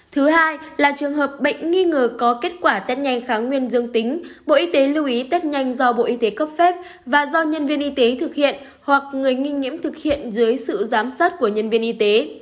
thứ hai là trường hợp bệnh nghi ngờ có kết quả test nhanh kháng nguyên dương tính bộ y tế lưu ý test nhanh do bộ y tế cấp phép và do nhân viên y tế thực hiện hoặc người nghi nhiễm thực hiện dưới sự giám sát của nhân viên y tế